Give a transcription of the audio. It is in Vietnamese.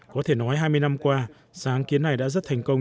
có thể nói hai mươi năm qua sáng kiến này đã rất thành công